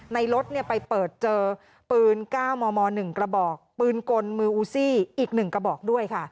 ในรถไปเปิดเจอปืน๙มม๑กระบอกปืนกลมืออูซี่อีก๑กระบอกด้วยค่ะ